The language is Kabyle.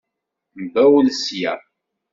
Mbawel sya.